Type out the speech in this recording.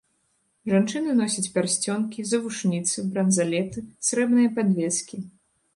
Жанчыны носяць пярсцёнкі, завушніцы, бранзалеты, срэбныя падвескі.